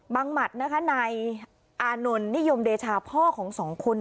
หมัดนะคะนายอานนท์นิยมเดชาพ่อของสองคน